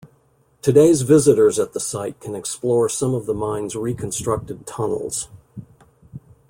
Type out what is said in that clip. Today visitors at the site can explore some of the mine's reconstructed tunnels.